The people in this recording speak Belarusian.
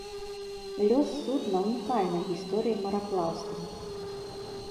Лёс судна ўнікальны ў гісторыі мараплаўства.